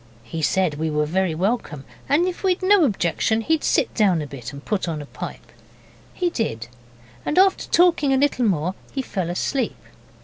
He said we were very welcome, and if we'd no objection he'd sit down a bit and put on a pipe. He did, and after talking a little more he fell asleep.